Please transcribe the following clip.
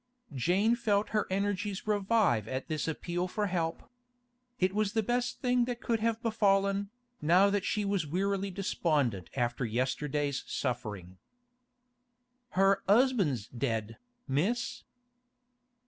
Jane felt her energies revive at this appeal for help. It was the best thing that could have befallen, now that she was wearily despondent after yesterday's suffering. 'Her 'usband's dead, Miss.